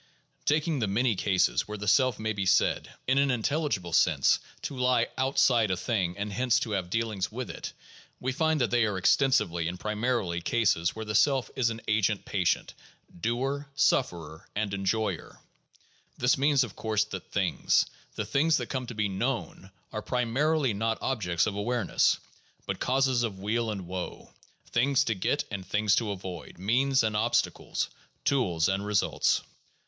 Taking the many cases where the self may be said, in an in PSYCHOLOGY AND SCIENTIFIC METHODS 553 telligible sense, to lie outside a thing and hence to have dealings with it, we find that they are extensively and primarily cases where the self is agent patient, doer, sufferer, and enjoyer. This means, of course, that things, the things that come to be known, are primarily not objects of awareness, but causes of weal and woe, things to get and things to avoid, means and obstacles, tools and results.